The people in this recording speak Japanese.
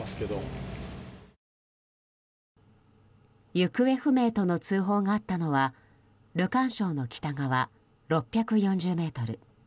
行方不明との通報があったのはルカン礁の北側６４０ｍ。